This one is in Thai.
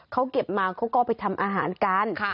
เขาเก็บมาเขาก็ไปทำอาหารกัน